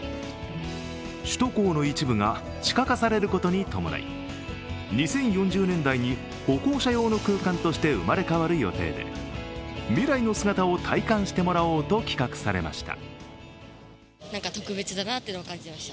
首都高の一部が地下化されることに伴い２０４０年代に歩行者用の空間として生まれ変わる予定で未来の姿を体感してもらおうと企画されました。